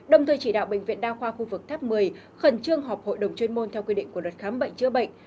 đồng thời chỉ đạo bệnh viện đa khoa khu vực tháp một mươi khẩn trương họp hội đồng chuyên môn theo quy định của luật khám bệnh chữa bệnh